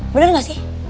bener gak sih